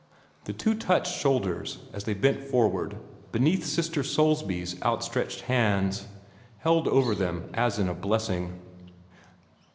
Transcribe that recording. The two touched shoulders as they bent forward beneath Sister Soulsby's outstretched hands, held over them as in a blessing.